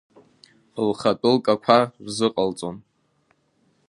Лхатәы лкақәа рзыҟалҵон.